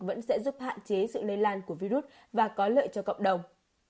vẫn sẽ giúp hạn chế sự lây lan của virus và có lợi cho cộng đồng